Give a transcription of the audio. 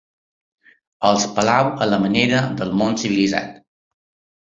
Els peleu a la manera del món civilitzat.